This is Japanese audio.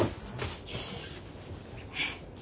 よし。